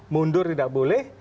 mundur tidak boleh